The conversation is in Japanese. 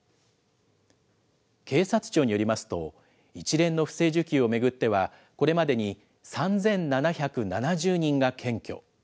警察庁によりますと、一連の不正受給を巡ってはこれまでに３７７０人が検挙。